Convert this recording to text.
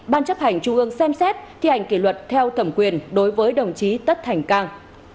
ban chấp hành trung ương xem xét thi hành kỷ luật theo thẩm quyền đối với đồng chí tất thành cang